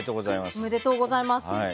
おめでとうございます。